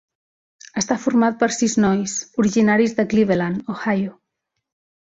Està format per sis nois, originaris de Cleveland, Ohio.